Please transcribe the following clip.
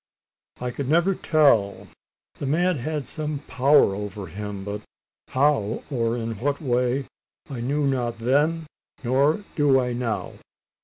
"I could never tell. The man had some power over him; but how or in what way, I knew not then, nor do I now.